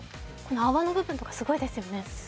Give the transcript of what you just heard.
泡の部分もすごいですよね。